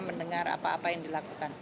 mendengar apa apa yang dilakukan